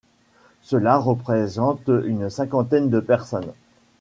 Cela représente une cinquantaine de personnes.